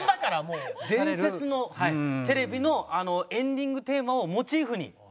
伝説のテレビのあのエンディングテーマをモチーフに。